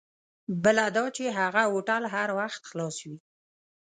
بله دا چې هغه هوټل هر وخت خلاص وي.